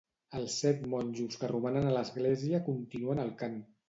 Els set monjos que romanen a l'església continuen el cant.